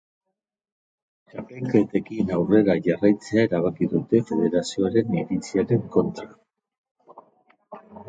Txapelketekin aurrera jarraitzea erabaki dute federazioaren iritziaren kontra.